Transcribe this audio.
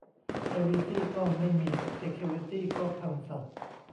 "ไพรเวซี่ก็ไม่มี เซเคียวริตี้ก็พัง สัส"